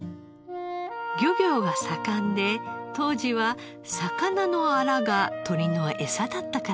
漁業が盛んで当時は魚のアラが鶏のエサだったからです。